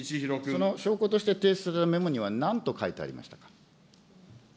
その証拠として提出されたメモにはなんと書いてありましたか。